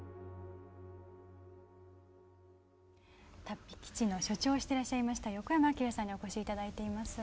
竜飛基地の所長をしてらっしゃいました横山章さんにお越しいただいています。